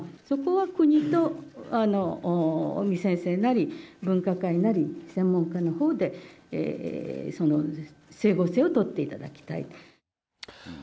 そこは、国と、尾身先生なり、分科会なり、専門家のほうで整合性を取っていただきたいと。